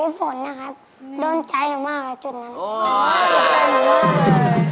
พี่ฝนนะครับโดนใจหนูมากในจุดนั้น